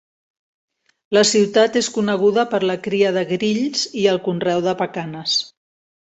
La ciutat és coneguda per la cria de grills i el conreu de pacanes.